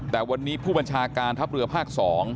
แต่วันนี้ผู้บัญชาการทัพเรือภาค๒